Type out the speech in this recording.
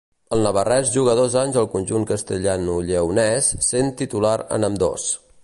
El navarrès juga dos anys al conjunt castellanolleonès, sent titular en ambdós.